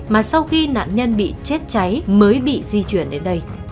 mà sau khi nạn nhân bị chết cháy mới bị di chuyển đến đây